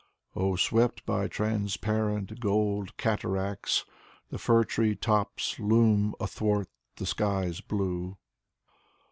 " Oh, swept by Transparent Gold cataracts. The fir tree tops Loom athwart the sky's blue."